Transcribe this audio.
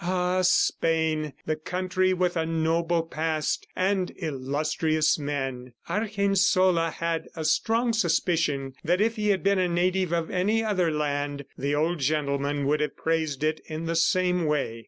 Ah, Spain, the country with a noble past and illustrious men! ... Argensola had a strong suspicion that if he had been a native of any other land, the old gentleman would have praised it in the same way.